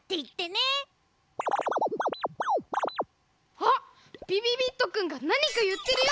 あっびびびっとくんがなにかいってるよ。